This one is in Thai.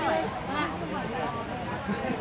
ทุกวันใหม่ทุกวันใหม่